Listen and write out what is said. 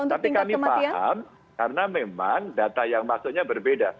tapi kami paham karena memang data yang masuknya berbeda